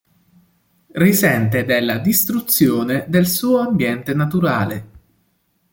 Risente della distruzione del suo ambiente naturale.